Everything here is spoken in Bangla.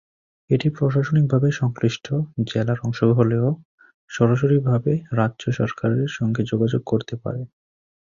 এটি প্রশাসনিকভাবে সংশ্লিষ্ট জেলার অংশ হলেও সরাসরিভাবে রাজ্য সরকারের সঙ্গে যোগাযোগ করতে পারে।